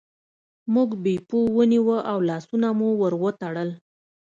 موږ بیپو ونیوه او لاسونه مو ور وتړل.